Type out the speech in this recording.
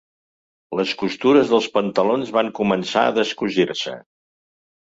Les costures dels pantalons van començar a descosir-se.